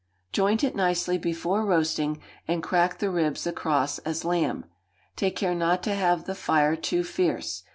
Joint it nicely before roasting, and crack the ribs across as lamb. Take care not to have the fire too fierce.